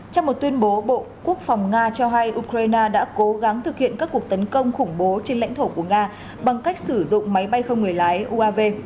trong một tuyên bố bộ quốc phòng nga cho hay ukraine đã cố gắng thực hiện các cuộc tấn công khủng bố trên lãnh thổ của nga bằng cách sử dụng máy bay không người lái uav